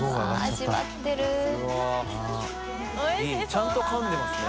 ちゃんとかんでますね。